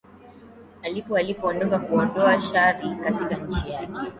alipo alipoondoka kuondoa shari katika nchi yake